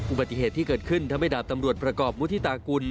อุบัติเหตุที่เกิดขึ้นทำให้ดาบตำรวจประกอบมุฒิตากุล